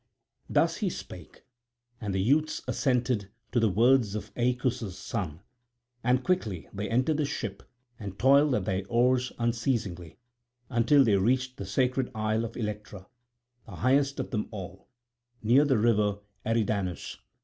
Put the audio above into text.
Thus he spake; and the youths assented to the words of Aeacus' son. And quickly they entered the ship, and toiled at their oars unceasingly until they reached the sacred isle of Electra, the highest of them all, near the river Eridanus.